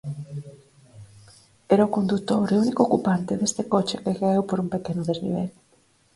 Era o condutor e único ocupante deste coche que caeu por un pequeno desnivel.